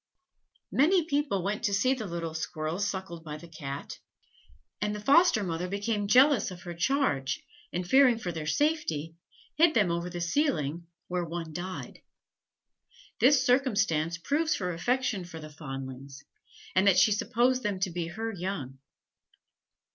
Many people went to see the little squirrels suckled by the Cat, and the foster mother became jealous of her charge, and fearing for their safety, hid them over the ceiling, where one died. This circumstance proves her affection for the fondlings, and that she supposed them to be her young.